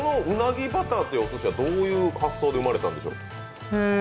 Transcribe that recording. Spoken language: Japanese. うなぎバターというおすしはどういう発想で生まれたんでしょう？